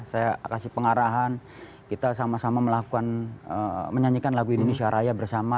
saya kasih pengarahan kita sama sama melakukan menyanyikan lagu indonesia raya bersama